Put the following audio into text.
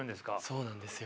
そうなんですよ。